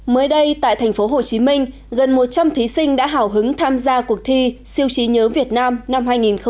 mới đây tại thành phố hồ chí minh gần một trăm linh thí sinh đã hào hứng tham gia cuộc thi siêu trí nhớ việt nam năm hai nghìn một mươi chín